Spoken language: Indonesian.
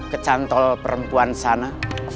kecantol perempuan sana